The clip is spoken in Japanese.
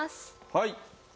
はい。